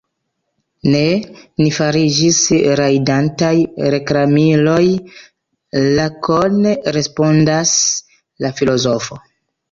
Ne; ni fariĝis rajdantaj reklamiloj, lakone respondas la filozofo.